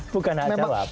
bukan hanya jawab